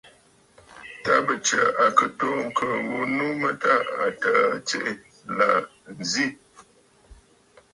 Ta bɨ Tsə̀ à kɨ toò ŋ̀kɨ̀ɨ̀ ghu nu mə tâ təə tsiʼì la nzì.